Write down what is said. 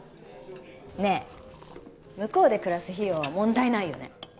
ねえ向こうで暮らす費用は問題ないよね？